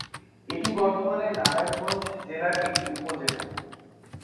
এটি বর্তমানে নারায়ণগঞ্জ জেলার একটি উপজেলা।